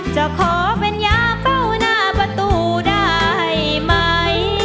จะขอเป็นยาเป้าหน้าประตูได้ไหม